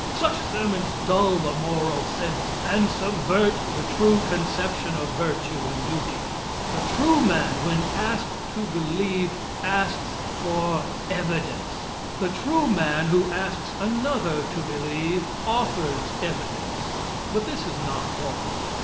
Such sermons dull the moral sense and subvert the true conception of virtue and duty. The true man, when asked to believe, asks for evidence. The true man, who asks another to believe, offers evidence. But this is not all.